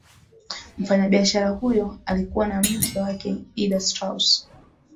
mfanyabishara huyo alikuwa na mke wake ida strauss